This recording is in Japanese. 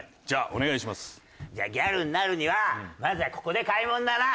じゃあギャルになるにはまずはここで買い物だな。